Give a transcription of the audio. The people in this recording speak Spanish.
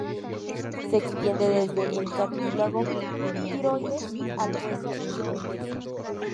Se extiende desde el cartílago tiroides al hueso hioides.